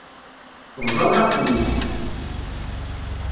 Bḍan-aɣ-ten-id.